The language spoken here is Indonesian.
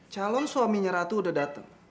calon suaminya ratu udah datang